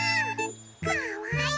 かわいい。